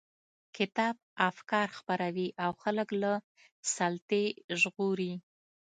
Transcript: کتاب افکار خپروي او خلک له سلطې ژغوري.